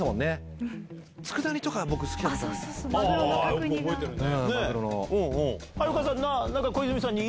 よく覚えてるね。